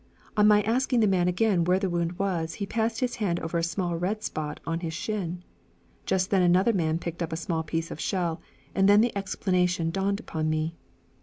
On my asking the man again where the wound was, he passed his hand over a small red spot on his shin. Just then another man picked up a small piece of shell, and then the explanation dawned upon me.